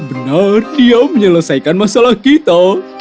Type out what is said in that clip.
benar dia menyelesaikan masalah kita